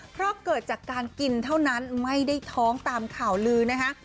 เพราะเกิดจากการกินเท่านั้นไม่ได้ท้องตามข่าวลือนะคะ